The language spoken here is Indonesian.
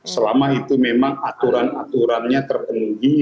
selama itu memang aturan aturannya terpenuhi